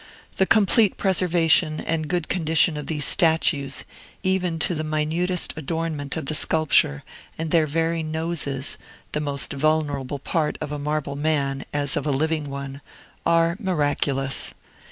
The complete preservation and good condition of these statues, even to the minutest adornment of the sculpture, and their very noses, the most vulnerable part of a marble man, as of a living one, are miraculous.